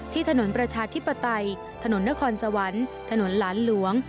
ถนนประชาธิปไตยถนนนครสวรรค์ถนนหลานหลวง